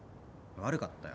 悪かったよ。